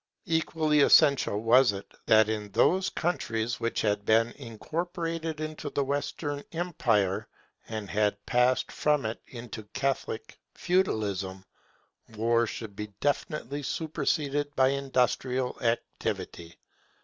Equally essential was it that in those countries which had been incorporated into the Western Empire, and had passed from it into Catholic Feudalism, war should be definitely superseded by industrial activity.